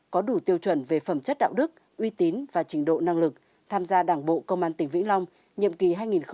có đủ tiêu chuẩn về phẩm chất đạo đức uy tín và trình độ năng lực tham gia đảng bộ công an tỉnh vĩnh long nhiệm kỳ hai nghìn hai mươi hai nghìn hai mươi năm